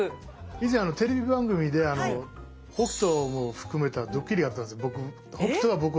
以前テレビ番組で北斗も含めたドッキリやったんですよ。